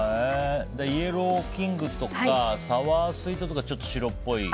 イエローキングとかサワースウィートとかはちょっと白っぽい。